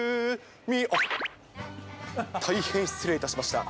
あっ、大変、失礼いたしました。